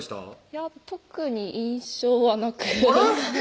いや特に印象はなくあれ？